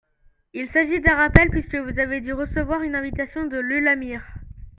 il s’agit d’un rappel puisque vous avez dû recevoir une invitation de l’ULAMIR.